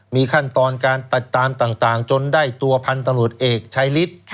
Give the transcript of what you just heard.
มีขั้นตอนการตัดตามต่างจนได้ตัวพันธุ์ตำรวจเอกชายฤทธิ์